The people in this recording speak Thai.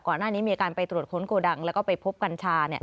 ก่อนหน้านี้มีการไปตรวจโคนโกดังแล้วก็ไปพบกัญชา